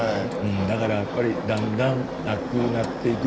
だからやっぱりだんだんなくなっていく。